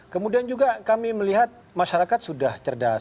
kemudian juga kami melihat masyarakat sudah cerdas